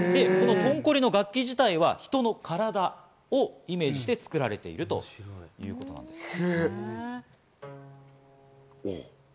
このトンコリの楽器自体は、人の体をイメージして作られているということで。